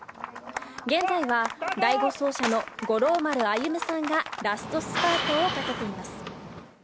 現在は、第５走者の五郎丸歩さんがラストスパートをかけています。